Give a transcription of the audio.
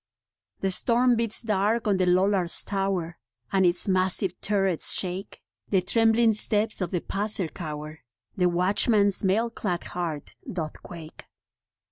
The storm beats dark on the Lollard's Tower, And its massive turrets shake ; The trembling steps of the passer cower, The watchman's mail clad heart doth quake.